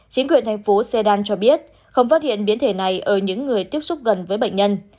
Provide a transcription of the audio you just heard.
chính quyền thành phố sedan cho biết không phát hiện biến thể này ở những người tiếp xúc gần với bệnh nhân